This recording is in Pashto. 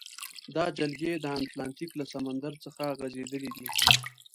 دا جلګې د اتلانتیک له سمندر څخه غزیدلې دي.